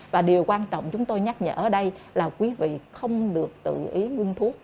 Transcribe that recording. và điều quan trọng chúng tôi nhắc nhở ở đây là quý vị không được tự ý thuốc